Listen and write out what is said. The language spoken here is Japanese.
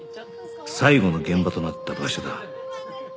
最後の現場となった場所だ